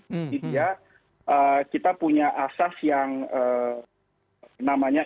jadi ya kita punya asas yang namanya